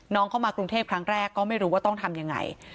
เข้ามากรุงเทพครั้งแรกก็ไม่รู้ว่าต้องทำยังไง